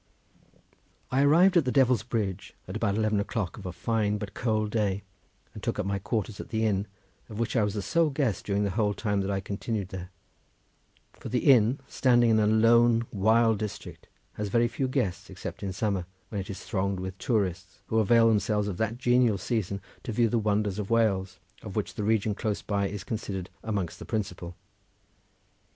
I arrived at the Devil's Bridge at about eleven o'clock of a fine but cold day, and took up my quarters at the inn, of which I was the sole guest during the whole time that I continued there, for the inn, standing in a lone, wild district, has very few guests except in summer, when it is thronged with tourists, who avail themselves of that genial season to view the wonders of Wales, of which the region close by is considered amongst the principal.